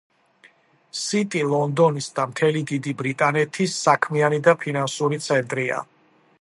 სიტი ლონდონის და მთელი დიდი ბრიტანეთის საქმიანი და ფინანსური ცენტრია.